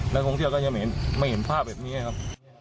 นักท่องเที่ยวก็จะไม่เห็นภาพแบบนี้ครับ